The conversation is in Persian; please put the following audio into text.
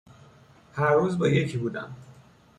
هر روز با یکی بودم